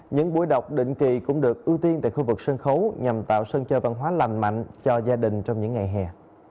những buổi đọc định kỳ cũng được ưu tiên tại khu vực sân khấu nhằm tạo sân chơi văn hóa lành mạnh cho gia đình trong những ngày hè